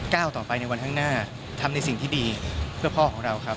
ต่อไปในวันข้างหน้าทำในสิ่งที่ดีเพื่อพ่อของเราครับ